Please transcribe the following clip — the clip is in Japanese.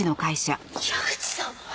矢口さん！